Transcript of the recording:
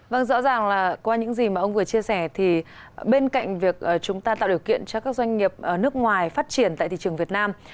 vâng rõ ràng là qua những gì mà ông vừa chia sẻ thì bên cạnh việc chúng ta tạo điều kiện cho các doanh nghiệp nước ngoài phát triển tại thị trường việt nam